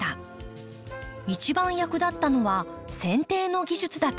一番役立ったのはせん定の技術だといいます。